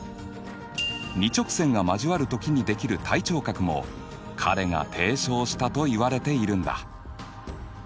２直線が交わる時にできる対頂角も彼が提唱したといわれているんだ。